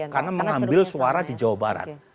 karena mengambil suara di jawa barat